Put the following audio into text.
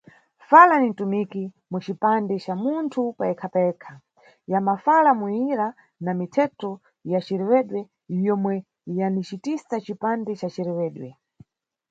Fala ni mtumiki mu cipande ca munthu payekha- payekha, ya mafala, muwira na mithetho ya cirewedwe, yomwe yanicita cipande ca cirewedwe.